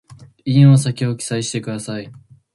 引用先を記載してください